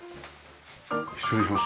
失礼します。